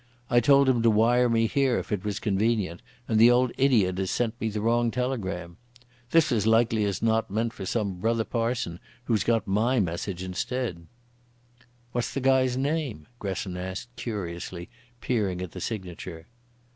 I told him to wire me here if it was convenient, and the old idiot has sent me the wrong telegram. This was likely as not meant for some other brother parson, who's got my message instead." "What's the guy's name?" Gresson asked curiously, peering at the signature.